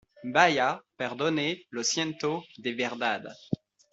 ¡ vaya, perdone , lo siento , de verdad!